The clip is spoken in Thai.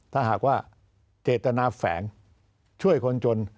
ถ้าหากว่าเจตนาแฝงช่วยคนจน